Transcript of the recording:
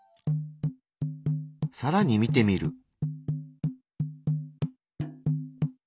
さらに見てみる。